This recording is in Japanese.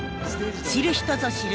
知る人ぞ知る